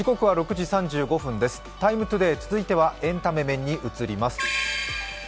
「ＴＩＭＥ，ＴＯＤＡＹ」、続いてはエンタメ面に移ります。